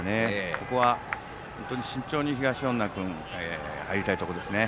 ここは慎重に東恩納君、入りたいところですね。